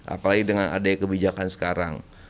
apalagi dengan adanya kebijakan sekarang